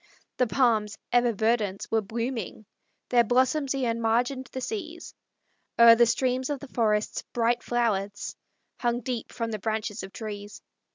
The palms, ever verdant, were blooming, Their blossoms e'en margined the seas; O'er the streams of the forests bright flowers Hung deep from the branches of trees.